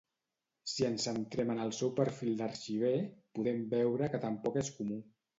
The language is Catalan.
Si ens centrem en el seu perfil d’arxiver, podem veure que tampoc és comú.